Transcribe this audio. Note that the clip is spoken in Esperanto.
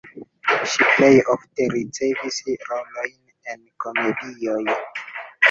Ŝi plej ofte ricevis rolojn en komedioj.